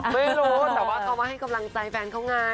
ไม่รู้แต่ว่าเขามาให้กำลังใจแฟนเขาไง